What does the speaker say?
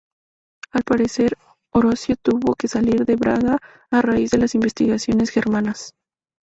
Al parecer, Orosio tuvo que salir de Braga a raíz de las invasiones germanas.